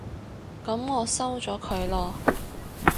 噉我收咗佢囉